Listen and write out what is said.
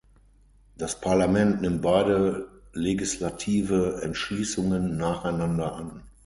Das Parlament nimmt beide legislative Entschließungen nacheinander an.